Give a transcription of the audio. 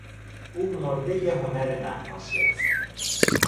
او مرده هنر نقاشی است.